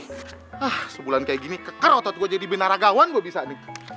hah sebulan kayak gini keker otot gue jadi binaragawan gue bisa nih